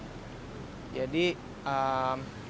jadi kita harus tahu bagaimana caranya mengidentifikasikan